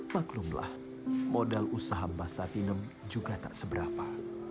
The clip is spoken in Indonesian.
maklumlah modal usaha bahsatinem juga tak seberapa